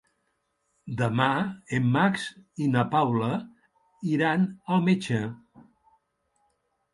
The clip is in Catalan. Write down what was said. Demà en Max i na Paula iran al metge.